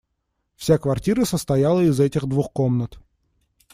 Вся квартира состояла из этих двух комнат.